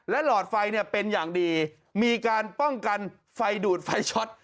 หลอดไฟเนี่ยเป็นอย่างดีมีการป้องกันไฟดูดไฟช็อต